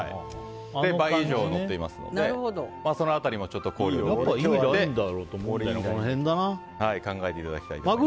倍以上のっていますのでその辺りも考慮いただいて考えていただきたいと思います。